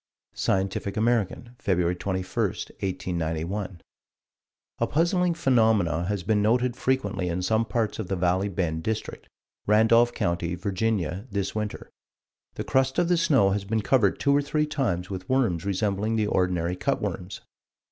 Scientific American, Feb. 21, 1891: "A puzzling phenomenon has been noted frequently in some parts of the Valley Bend District, Randolph County, Va., this winter. The crust of the snow has been covered two or three times with worms resembling the ordinary cut worms.